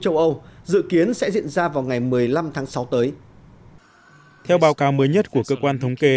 châu âu dự kiến sẽ diễn ra vào ngày một mươi năm tháng sáu tới theo báo cáo mới nhất của cơ quan thống kê